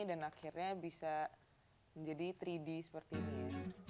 dan akhirnya bisa menjadi tiga d seperti ini